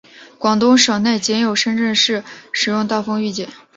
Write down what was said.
广东省内仅有深圳市使用大风预警。